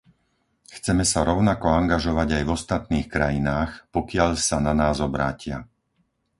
Chceme sa rovnako angažovať aj v ostatných krajinách, pokiaľ sa na nás obrátia.